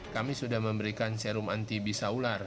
kami sudah memberikan serum anti bisa ular